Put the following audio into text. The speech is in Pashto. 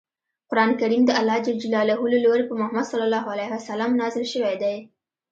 قران کریم د الله ج له لورې په محمد ص نازل شوی دی.